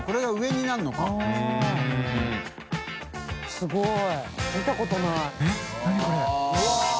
すごい。